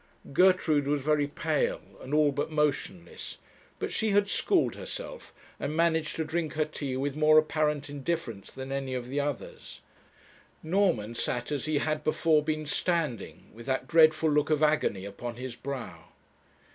Gertrude was very pale, and all but motionless, but she had schooled herself, and managed to drink her tea with more apparent indifference than any of the others. Norman sat as he had before been standing, with that dreadful look of agony upon his brow.